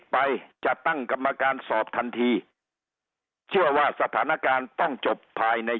ไปจะตั้งกรรมการสอบทันทีเชื่อว่าสถานการณ์ต้องจบภายใน